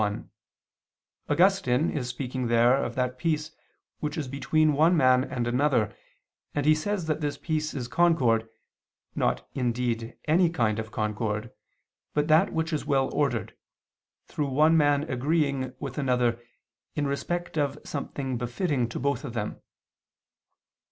1: Augustine is speaking there of that peace which is between one man and another, and he says that this peace is concord, not indeed any kind of concord, but that which is well ordered, through one man agreeing with another in respect of something befitting to both of them.